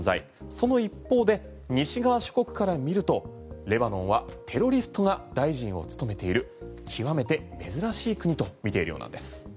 その一方で西側諸国から見るとレバノンはテロリストが大臣を務めている極めて珍しい国と見ているようなんです。